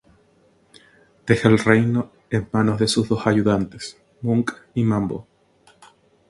Deja el reino en manos de sus dos ayudantes, Munk y Mambo.